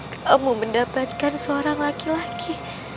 kamu mendapatkan seorang laki laki